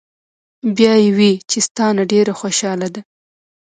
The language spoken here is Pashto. " بیا ئې وې چې " ستا نه ډېره خوشاله ده